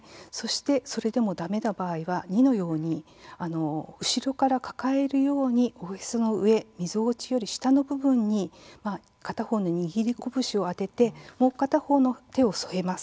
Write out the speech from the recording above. それでも、だめな場合は後ろから抱えるようにおへその上みぞおちより下の部分に握り拳を当ててもう片方の手を添えます。